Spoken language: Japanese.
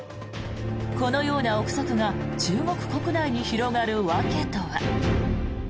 このような臆測が中国国内に広がる訳とは。